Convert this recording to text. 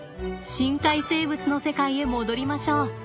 深海生物の世界へ戻りましょう。